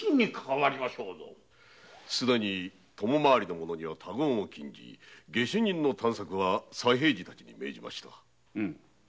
すでに供回りの者には他言を禁じ下手人の探索は左平次たちに命じました。